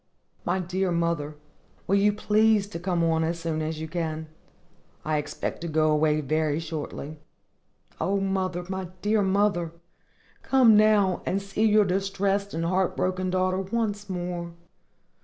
My dear mother, will you please to come on as soon as you can? I expect to go away very shortly. O, mother! my dear mother! come now and see your distressed and heart broken daughter once more.